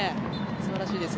素晴らしいです。